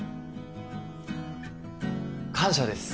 感謝です